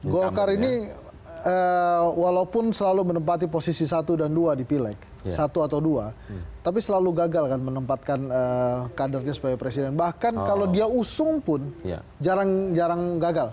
golkar ini walaupun selalu menempati posisi satu dan dua di pileg satu atau dua tapi selalu gagal kan menempatkan kadernya sebagai presiden bahkan kalau dia usung pun jarang jarang gagal